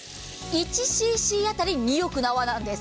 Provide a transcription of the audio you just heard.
１ｃｃ当たり２億の泡なんです。